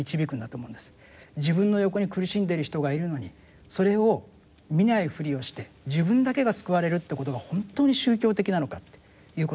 自分の横に苦しんでいる人がいるのにそれを見ないふりをして自分だけが救われるということが本当に宗教的なのかっていうことですよね。